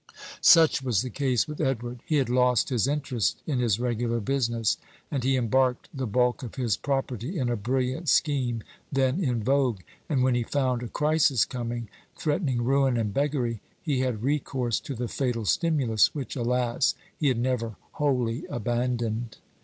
Such was the case with Edward. He had lost his interest in his regular business, and he embarked the bulk of his property in a brilliant scheme then in vogue; and when he found a crisis coming, threatening ruin and beggary, he had recourse to the fatal stimulus, which, alas! he had never wholly abandoned.